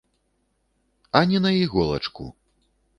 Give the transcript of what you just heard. А ні на іголачку.